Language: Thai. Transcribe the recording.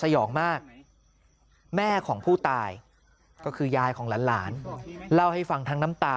ยองมากแม่ของผู้ตายก็คือยายของหลานเล่าให้ฟังทั้งน้ำตา